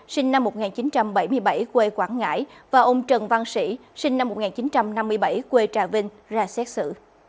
sinh năm một nghìn chín trăm bảy mươi bảy quê quảng ngãi và ông trần văn sĩ sinh năm một nghìn chín trăm năm mươi bảy quê trà vinh ra xét xử